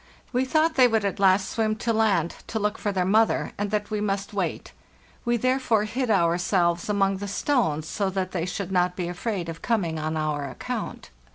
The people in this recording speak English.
We thought they would at last swim to land to look for their mother, and that we must wait; we therefore hid ourselves among the stones, so that they should not be afraid of coming on our account.